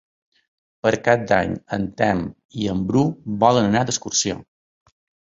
Per Cap d'Any en Telm i en Bru volen anar d'excursió.